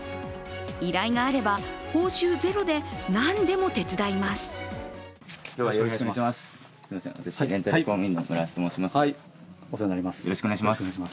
依頼があれば報酬ゼロで何でも手伝います。